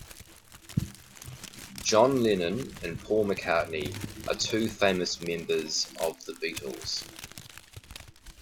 John Lennon and Paul McCartney are two famous members of the Beatles.